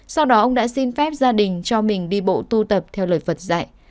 sau đó ông đã xin phép gia đình cho mình đi bộ tu tập theo lời phật dạy